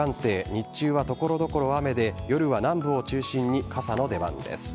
日中は所々雨で夜は南部を中心に傘の出番です。